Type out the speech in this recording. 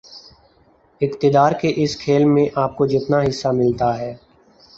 اقتدار کے اس کھیل میں آپ کو جتنا حصہ ملتا ہے